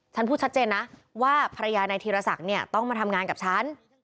ฉันพูดชัดเจนนะว่าภรรยานายธีรศักดิ์เนี่ยต้องมาทำงานกับฉัน